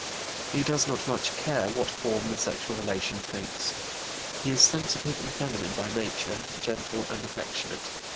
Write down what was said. He does not much care what form the sexual relation takes. He is sensitive and feminine by nature, gentle, and affectionate.